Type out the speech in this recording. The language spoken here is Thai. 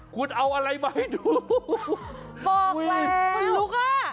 คุณเอาอะไรมาให้ดูบอกคนลุกอ่ะ